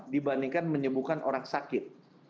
dibandingkan menyembuhkan orang sakit